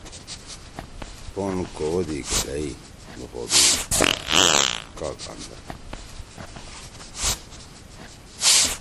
پون کوَدی گھولیئی نُوخودی کاگ اندرا